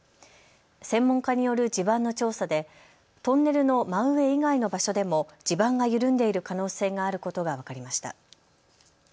専門家による地盤の調査でトンネルの真上以外の場所でも地盤が緩んでいる可能性があることが分かりました。